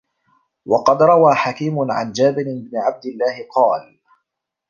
وَقَدْ رَوَى حَكِيمٌ عَنْ جَابِرِ بْنِ عَبْدِ اللَّهِ قَالَ